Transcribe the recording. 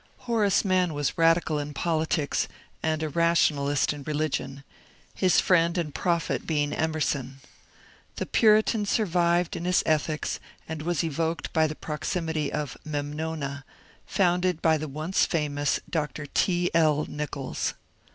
Horace Mann was radical in politics And a rationalist in religion, his friend and prophet being Emerson. The Puritan survived in his ethics and was evoked by the proximity of *^ Memnona," founded by the once famous Dr. T. L. Nichols.